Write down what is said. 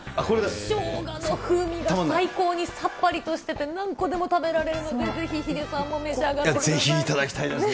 ショウガの風味が最高にさっぱりとしてて、何個でも食べられるので、ぜひヒデさんも召し上がってぜひ頂きたいですね。